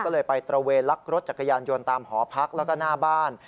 ก็เลยไปตระเวนลักรถจักรยานยนต์ตามหอพักแล้วก็หน้าบ้าน